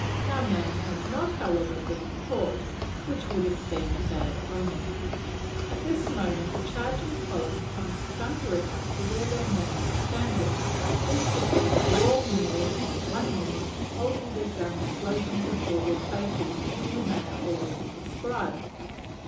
Our man has not, however, been caught, which would have been a bad omen. At this moment the charging column comes thundering up to where their man is standing; instantly they all kneel upon one knee, holding their guns sloped before their faces, in the manner already described.